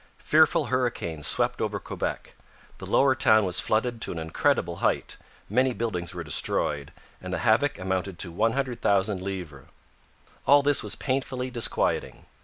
Fearful hurricanes swept over Quebec. The lower town was flooded to an incredible height, many buildings were destroyed, and the havoc amounted to 100,000 livres. All this was painfully disquieting.